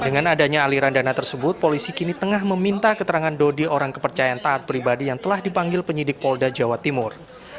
dengan adanya aliran dana tersebut polisi kini tengah meminta keterangan dodi orang kepercayaan taat pribadi yang telah dipanggil penyidik polda jawa timur